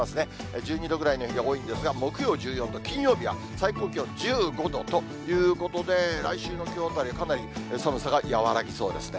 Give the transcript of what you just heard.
１２度ぐらいの日が多いんですが、木曜１４度、金曜日は最高気温１５度ということで、来週のきょうあたり、かなり寒さが和らぎそうですね。